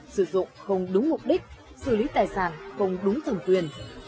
sử dụng không đúng mục đích xử lý tài sản không đúng thẩm quyền